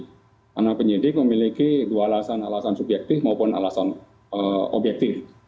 karena penyidik memiliki dua alasan alasan subyektif maupun alasan objektif